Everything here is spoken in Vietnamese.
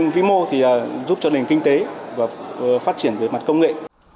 vĩ mô thì giúp cho nền kinh tế và phát triển về mặt công nghệ